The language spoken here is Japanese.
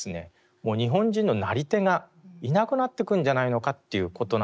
もう日本人のなり手がいなくなってくんじゃないのかということなんですよね。